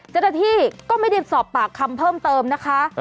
เจ้าหน้าที่ก็ไม่ได้สอบปากคำเพิ่มเติมนะคะ